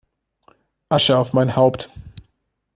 Asche auf mein Haupt!